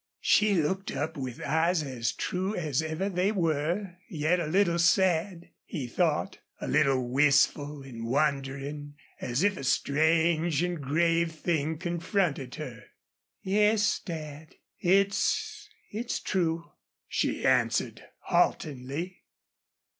She looked up with eyes as true as ever they were, yet a little sad, he thought, a little wistful and wondering, as if a strange and grave thing confronted her. "Yes, Dad it's it's true," she answered, haltingly.